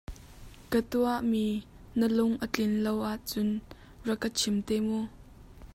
Ka tuahmi na lung a tlin lo ahcun rak ka chim te mu.